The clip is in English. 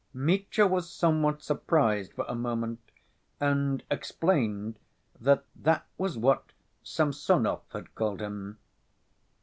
Mitya was somewhat surprised for a moment, and explained that that was what Samsonov had called him.